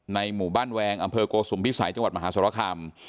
หมู่บ้านแวงอำเภอโกสุมพิสัยจังหวัดมหาสรคาม